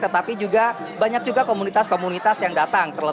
tetapi juga banyak juga komunitas komunitas yang datang